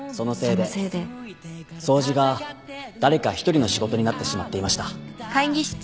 そのせいで掃除が誰か１人の仕事になってしまっていました。